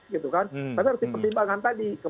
kita harus ada pertimbangan tadi